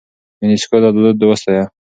يونيسکو دا دود وستايه.